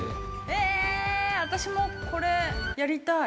◆えぇ、私も、これ、やりたい。